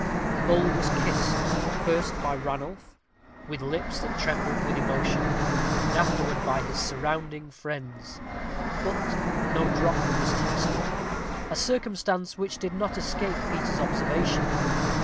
The bowl was kissed, first by Ranulph, with lips that trembled with emotion, and afterward by his surrounding friends; but no drop was tasted a circumstance which did not escape Peter's observation.